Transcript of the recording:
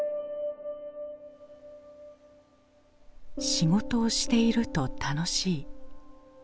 仕事をしていると楽しい。